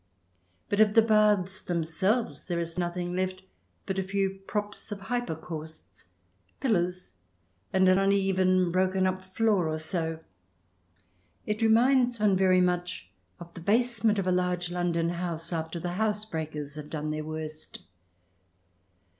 But of the Baths themselves there is nothing left but a few props of the hypocausts, pillars, and an uneven, broken up floor or so. It re minds one very much of the basement of a large Lon don house after the house breakers have done their worst.